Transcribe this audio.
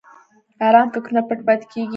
ارام فکرونه پټ پاتې کېږي.